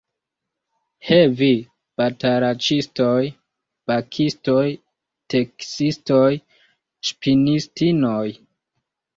He vi, batalaĉistoj, bakistoj, teksistoj, ŝpinistinoj!